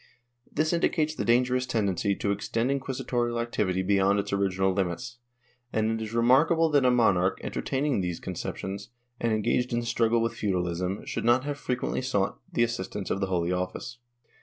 ^ This indicates the dangerous tendency to extend inquisitorial activity beyond its original limits, and it is remarkable that a monarch entertaining these conceptions and engaged in the struggle with feudalism should not have frequently sought the assistance of the Holy Office.